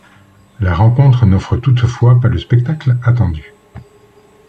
La rencontre n'offre toutefois pas le spectacle attendu.